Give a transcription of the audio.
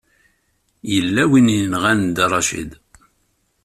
Yella win i yenɣan Dda Racid.